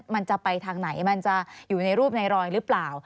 มันจะไปทางไหนมันจะอยู่ในรูปในรอยหรือเปล่า